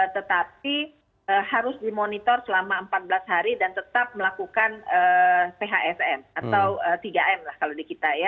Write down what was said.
tetapi harus dimonitor selama empat belas hari dan tetap melakukan phsn atau tiga m lah kalau di kita ya